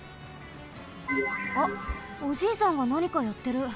あっおじいさんがなにかやってる。